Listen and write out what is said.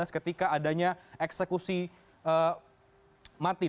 ketika adanya eksekusi mati